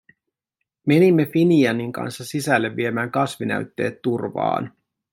Menimme Finianin kanssa sisälle viemään kasvinäytteet turvaan.